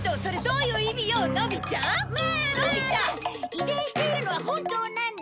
遺伝しているのは本当なんだし！